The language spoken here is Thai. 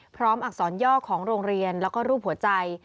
พร้อมอักษรย่อของโรงเรียนและรูปหัวใจ